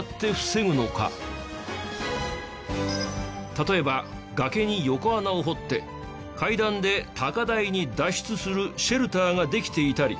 例えば崖に横穴を掘って階段で高台に脱出するシェルターができていたり。